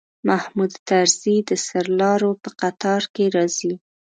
محمود طرزی د سرلارو په قطار کې راځي.